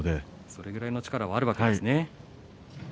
それくらいの力はあるわけですね。